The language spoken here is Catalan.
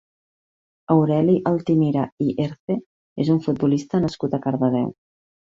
Aureli Altimira i Herce és un futbolista nascut a Cardedeu.